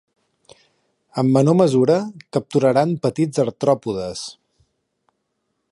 En menor mesura, capturaran petits artròpodes.